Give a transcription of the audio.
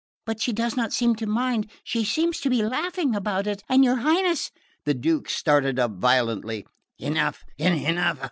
but she does not seem to mind...she seems to be laughing about it...and your Highness..." The Duke started up violently. "Enough enough!"